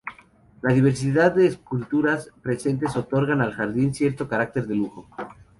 La diversidad de esculturas presentes otorgan al jardín cierto carácter de lujo.